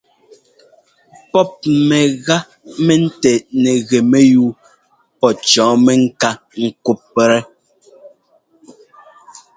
Pɔ́p mɛga mɛntɛ́ nɛgɛ mɛyúu pɔ́ cɔ̌ mɛŋká ŋ́kúptɛ́.